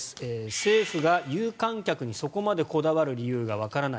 政府が有観客にそこまでこだわる理由がわからない